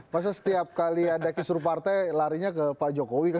masa setiap kali ada kisru partai larinya ke pak jokowi kan